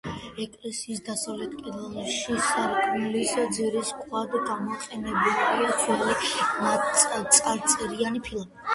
ეკლესიის დასავლეთ კედელში, სარკმლის ძირის ქვად გამოყენებულია ძველი წარწერიანი ფილა.